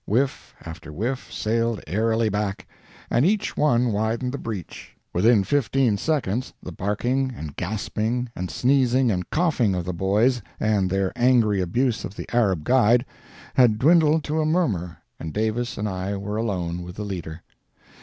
Whiff after whiff sailed airily back, and each one widened the breach. Within fifteen seconds the barking, and gasping, and sneezing, and coughing of the boys, and their angry abuse of the Arab guide, had dwindled to a murmur, and Davis and I were alone with the leader.